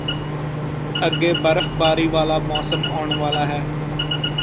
ਅੱਗੇ ਬਰਫਬਾਰੀ ਵਾਲਾ ਮੌਸਮ ਆਉਣ ਵਾਲਾ ਹੈ